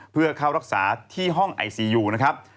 เพื่อเข้ารักษาที่ห้องไอซียูนะครับ